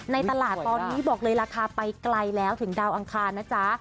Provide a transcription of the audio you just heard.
ในตลาดตอนนี้บอกเลยราคาไปไกลแล้วถึงดาวอังคารนะจ๊ะ